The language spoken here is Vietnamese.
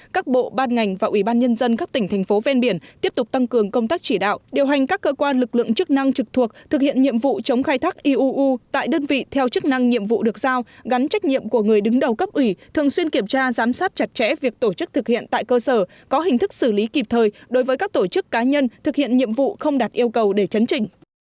các bộ ban ngành và ủy ban nhân dân các tỉnh thành phố ven biển tiếp tục tăng cường công tác chỉ đạo điều hành các cơ quan lực lượng chức năng trực thuộc thực hiện nhiệm vụ chống khai thác iuu tại đơn vị theo chức năng nhiệm vụ được giao gắn trách nhiệm của người đứng đầu cấp ủy thường xuyên kiểm tra giám sát chặt chẽ việc tổ chức thực hiện tại cơ sở có hình thức xử lý kịp thời đối với các tổ chức cá nhân thực hiện nhiệm vụ không đạt yêu cầu để chấn trình